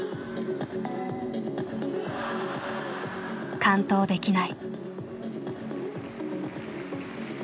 完登できない。